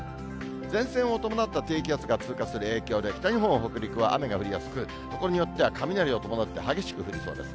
前線を伴った低気圧が通過する影響で、北日本、北陸は雨が降りやすく、所によっては雷を伴って激しく降りそうです。